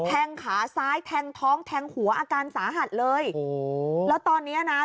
งขาซ้ายแทงท้องแทงหัวอาการสาหัสเลยโอ้โหแล้วตอนเนี้ยนะ